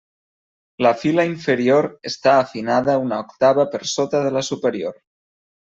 La fila inferior està afinada una octava per sota de la superior.